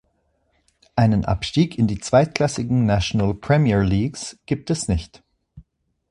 Einen Abstieg in die zweitklassigen National Premier Leagues gibt es nicht.